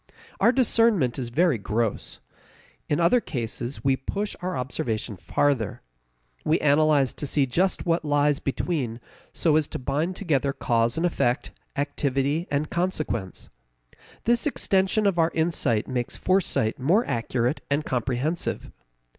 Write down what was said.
Our discernment is very gross. In other cases we push our observation farther. We analyze to see just what lies between so as to bind together cause and effect, activity and consequence. This extension of our insight makes foresight more accurate and comprehensive.